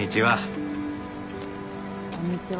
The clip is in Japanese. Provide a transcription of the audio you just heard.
こんにちは。